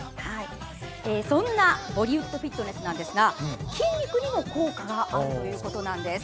そんなボリウッドフィットネスですが筋肉にも効果があるということです。